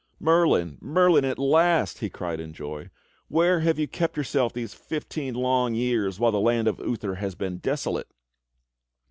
"Merlin, Merlin at last!" he cried in joy. "Where have you kept yourself these fifteen long years while the land of Uther has been desolate.